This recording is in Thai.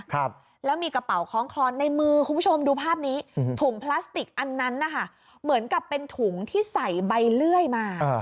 ครับแล้วมีกระเป๋าคล้องคลอนในมือคุณผู้ชมดูภาพนี้ถุงพลาสติกอันนั้นนะคะเหมือนกับเป็นถุงที่ใส่ใบเลื่อยมา